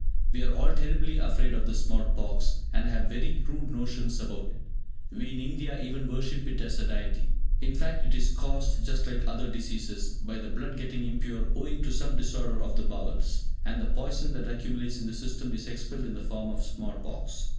We are all terribly afraid of the small pox, and have very crude notions about it. We in India even worship it as a deity. In fact it is caused, just like other diseases, by the blood getting impure owing to some disorder of the bowels; and the poison that accumulates in the system is expelled in the form of small pox.